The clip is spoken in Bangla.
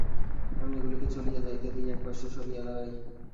আমি এগুলিকে চলিয়া যাইতে দিই, একপার্শ্বে সরিয়া দাঁড়াই।